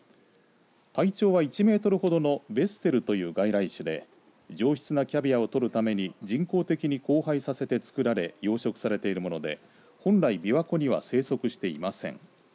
体長は１メートルほどのベステルという外来種で上質なキャビアを取るために人工的に交配させてつくられ養殖されているもので本来びわ湖には生息していません。